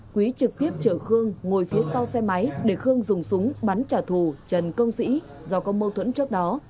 quý trực tiếp chở khương ngồi phía sau xe máy để khương dùng súng bắn trả thù trần công sĩ do có mâu thuẫn trước đó